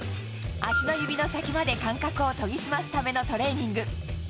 足の指の先まで感覚を研ぎ澄ますためのトレーニング。